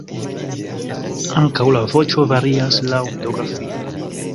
Ankaŭ la voĉo varias laŭ geografio.